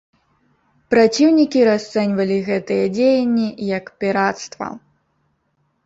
Праціўнікі расцэньвалі гэтыя дзеянні як пірацтва.